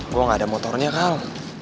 gue gak ada motornya kang